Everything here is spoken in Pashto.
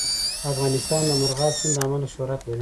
افغانستان د مورغاب سیند له امله شهرت لري.